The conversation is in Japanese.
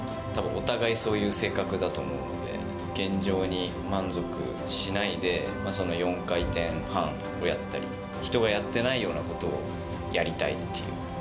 たぶんお互いそういう性格だと思うので、現状に満足しないで、その４回転半をやったり、人がやってないようなことをやりたいっていう。